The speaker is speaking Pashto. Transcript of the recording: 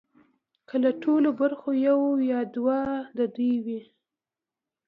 که له ټولو برخو یو یا دوه د دوی وي